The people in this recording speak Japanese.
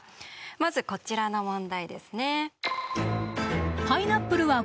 まずこちらの問題ですね。